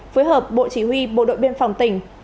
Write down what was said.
phối hợp bộ chỉ huy bộ đội biên phòng tỉnh